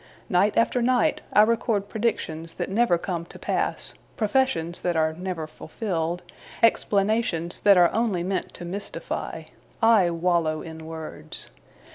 Night after night, I record predictions that never come to pass, professions that are never fulfilled, explanations that are only meant to mystify. I wallow in words.